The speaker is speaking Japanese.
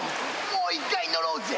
もう一回乗ろうぜ。